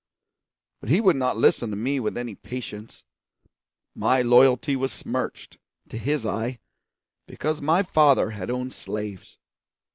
But he would not listen to me with any patience; my loyalty was smirched, to his eye, because my father had owned slaves.